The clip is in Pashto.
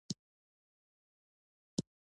ازادي راډیو د سوداګري د پراختیا اړتیاوې تشریح کړي.